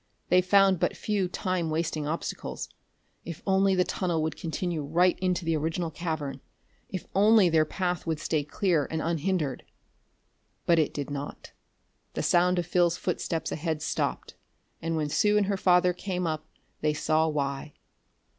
They found but few time wasting obstacles. If only the tunnel would continue right into the original cavern! If only their path would stay clear and unhindered! But it did not. The sound of Phil's footsteps ahead stopped, and when Sue and her father came up they saw why.